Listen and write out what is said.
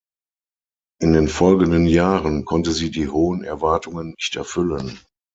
In den folgenden Jahren konnte sie die hohen Erwartungen nicht erfüllen.